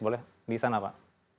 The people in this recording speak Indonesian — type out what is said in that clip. boleh di sana pak